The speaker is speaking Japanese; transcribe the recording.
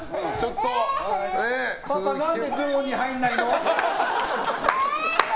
パパ何でゾーンに入らないの？